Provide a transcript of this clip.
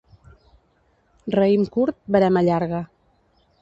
Raïm curt, verema llarga.